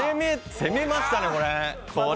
攻めましたね、これ。